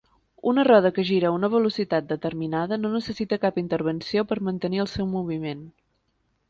Una roda que gira a una velocitat determinada no necessita cap intervenció per mantenir el seu moviment.